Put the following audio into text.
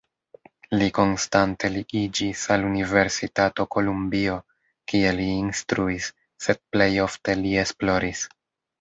Li konstante ligiĝis al Universitato Kolumbio, kie li instruis, sed plej ofte li esploris.